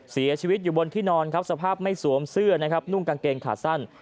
เสียชีวิตอยู่บนที่นอนครับสภาพไม่สวมเสื้อนะครับนุ่งกางเกงขาสั้น